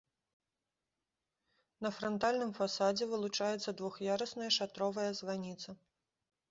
На франтальным фасадзе вылучаецца двух'ярусная шатровая званіца.